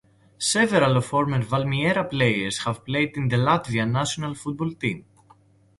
Several of former Valmiera players have played in the Latvia national football team.